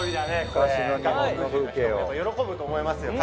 これ喜ぶと思いますよ